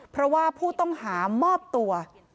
เพราะว่าผู้ต้องหามอบตัว